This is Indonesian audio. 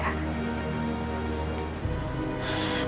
ya sebentar kak